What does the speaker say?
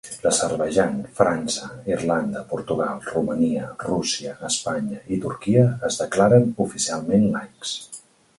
L'Azerbaidjan, França, Irlanda, Portugal, Romania, Rússia, Espanya i Turquia es declaren oficialment laics.